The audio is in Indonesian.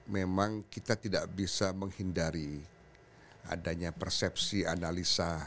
memang kita tidak bisa menghindari adanya persepsi analisa